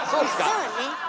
そうね。